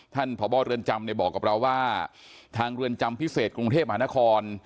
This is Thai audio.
ท่านผ่อบ้อเรือนจำในบอกกับเราว่าทางเรือนจำพิเศษกรุงเทพหานคร